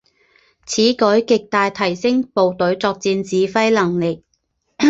此举极大提升部队作战指挥能力。